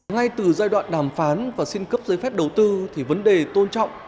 ngay từ giai đoạn đàm phán và xin cấp giấy phép đầu tư thì vấn đề tôn trọng